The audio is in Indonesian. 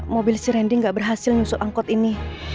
mobil si randy gak berhasil nyusut angkot ini